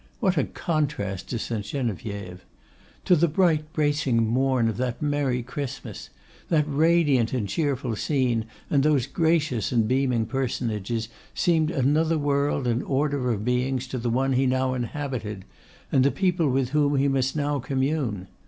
What a contrast to St. Geneviève! To the bright, bracing morn of that merry Christmas! That radiant and cheerful scene, and those gracious and beaming personages, seemed another world and order of beings to the one he now inhabited, and the people with whom he must now commune.